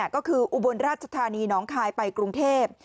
ก็คืออุบลราชธานีน้องคายไปกรุงเทพ